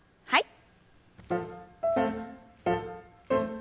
はい。